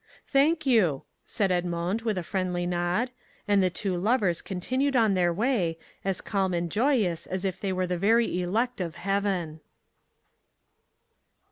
"Thank you," said Edmond with a friendly nod, and the two lovers continued on their way, as calm and joyous as if they were the very elect of heaven.